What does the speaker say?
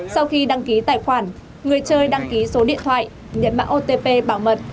sau khi đăng ký tài khoản người chơi đăng ký số điện thoại nhập mạng otp bảo mật